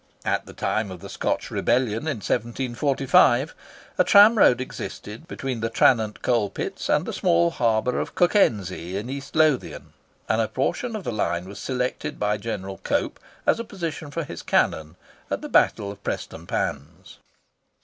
At the time of the Scotch rebellion in 1745, a tramroad existed between the Tranent coal pits and the small harbour of Cockenzie in East Lothian; and a portion of the line was selected by General Cope as a position for his cannon at the battle of Prestonpans.